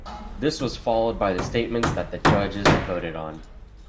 This was followed by the statements that the judges voted on.